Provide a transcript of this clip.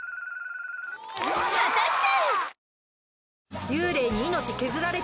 果たして？